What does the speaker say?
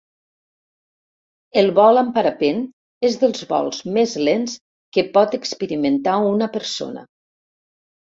El vol amb parapent és dels vols més lents que pot experimentar una persona.